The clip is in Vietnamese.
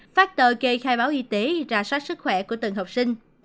phát tờ gây khai báo y tế ra sát sức khỏe của từng học sinh